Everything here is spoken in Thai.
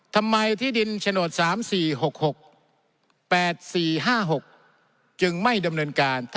ทำไมที่ดิ่นชนทสศขศ๘๔๕๖จึงไม่ดำเนินการ